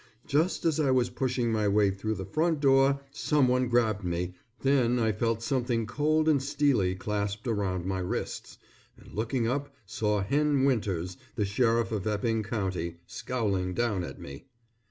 Just as I was pushing my way through the front door someone grabbed me, then I felt something cold and steely clasped around my wrists, and looking up saw Hen Winters, the sheriff of Epping County, scowling down at me.